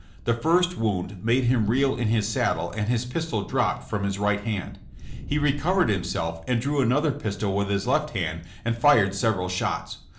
The first wound made him reel in his saddle and his pistol dropped from his right hand. He recovered himself and drew another pistol with his left hand and fired 'several shots.